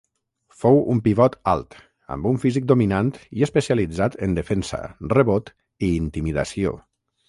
Fou un pivot alt, amb un físic dominant i especialitzat en defensa, rebot i intimidació.